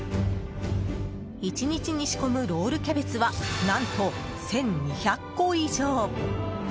１日に仕込むロールキャベツは何と１２００個以上。